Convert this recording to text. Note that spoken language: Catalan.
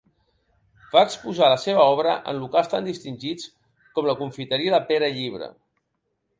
Va exposar la seva obra en locals tan distingits com la confiteria de Pere Llibre.